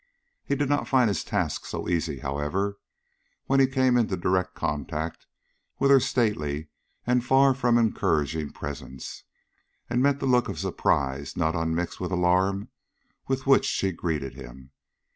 He did not find his task so easy, however, when he came into direct contact with her stately and far from encouraging presence, and met the look of surprise not unmixed with alarm with which she greeted him.